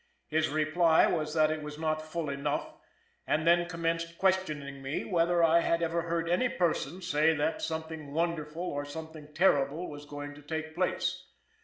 His reply was that it was not full enough, and then commenced questioning me whether I had ever heard any person say that something wonderful or something terrible was going to take place.